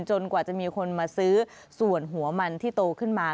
กว่าจะมีคนมาซื้อส่วนหัวมันที่โตขึ้นมา